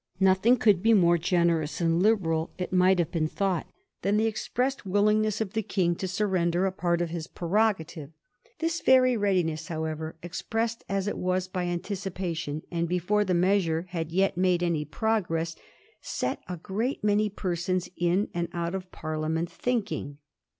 Nothing could be more generous and liberal, it might have been thought, than the expressed willingness of the King to surrender a part of his prerogative. This very readiness, however, expressed as it was by anticipation, and before the measure had yet made any progress, set a great many persons in and out of Parliament thinking.